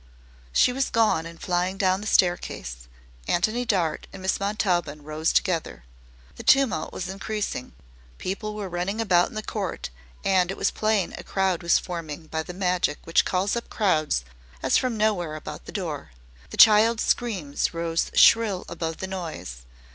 She was gone and flying down the staircase; Antony Dart and Miss Montaubyn rose together. The tumult was increasing; people were running about in the court, and it was plain a crowd was forming by the magic which calls up crowds as from nowhere about the door. The child's screams rose shrill above the noise.